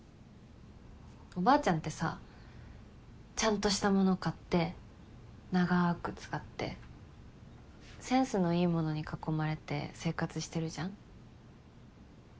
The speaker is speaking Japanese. おばあちゃんってさちゃんとした物買って長く使ってセンスのいい物に囲まれて生活してるじゃん。